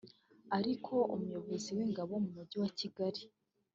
ariko umuyobozi w’Ingabo mu Mujyi wa Kigali